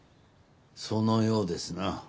そのようですな。